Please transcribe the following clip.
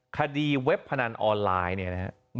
เว็บพนันออนไลน์เนี่ยนะครับ